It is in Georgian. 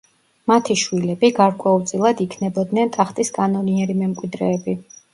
მათი შვილები გარკვეულწილად იქნებოდნენ ტახტის კანონიერი მემკვიდრეები.